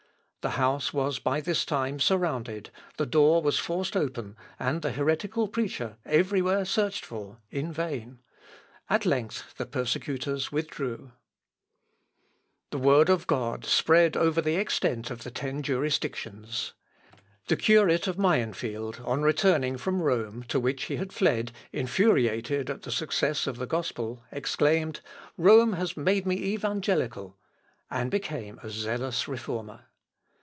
The house was by this time surrounded; the door was forced open, and the heretical preacher everywhere searched for in vain. At length the persecutors withdrew. Anhorn, Wiedergeburt der Ev. Kirchen in den 3 Bündten. Chur, 1680. Wirz i, 457. The Word of God spread over the extent of the ten jurisdictions. The curate of Mayenfield, on returning from Rome, to which he had fled infuriated at the success of the gospel, exclaimed, "Rome has made me evangelical," and became a zealous reformer.